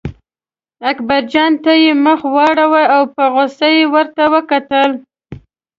اکبرجان ته یې مخ واړاوه او په غوسه یې ورته وکتل.